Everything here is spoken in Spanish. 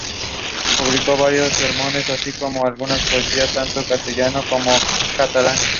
Publicó varios sermones, así como alguna poesía, tanto en castellano como en catalán.